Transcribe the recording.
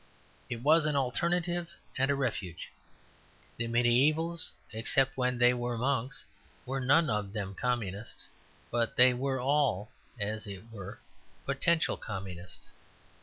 It was an alternative and a refuge. The mediævals, except when they were monks, were none of them Communists; but they were all, as it were, potential Communists.